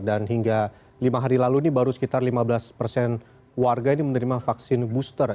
dan hingga lima hari lalu ini baru sekitar lima belas persen warga ini menerima vaksin booster